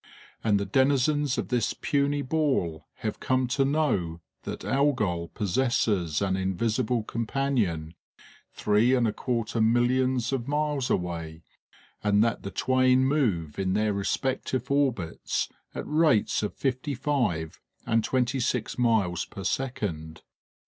And the denizens of this puny ball have come to know that Algol possesses an invisible companion, three and a quarter millions of miles away, and that the twain move in their respective orbits at rates of fifty five and twenty six miles per second.